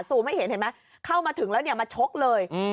ซูมให้เห็นเห็นไหมเข้ามาถึงแล้วมาชกเลย